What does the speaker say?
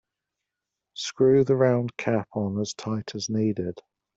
Screw the round cap on as tight as needed.